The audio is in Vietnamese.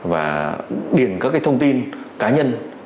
và điền các thông tin cá nhân